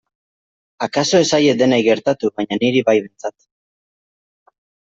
Akaso ez zaie denei gertatu baina niri bai behintzat.